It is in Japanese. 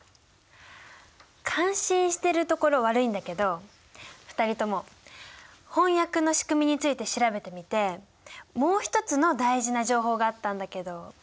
感心してるところ悪いんだけど２人とも翻訳の仕組みについて調べてみてもう一つの大事な情報があったんだけど何か分かった？